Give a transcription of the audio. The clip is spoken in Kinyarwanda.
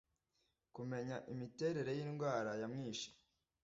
kumenya imiterere y indwara yamwishe